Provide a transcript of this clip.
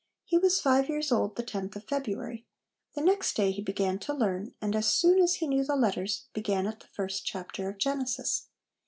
He was five years old the tenth of February ; the next day be began to 200 HOME EDUCATION learn, and as soon as he knew the letters, began at the first chapter of Genesis.